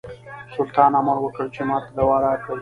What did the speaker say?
سلطان امر وکړ چې ماته دوا راکړي.